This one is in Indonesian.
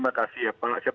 pak yustinus ya tadi ya